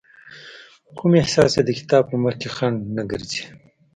کوم احساس يې د کتاب په مخکې خنډ نه ګرځي.